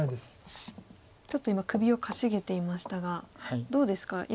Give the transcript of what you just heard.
ちょっと今首をかしげていましたがどうですか？